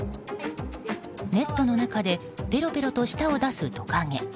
ネットの中でぺろぺろと舌を出すトカゲ。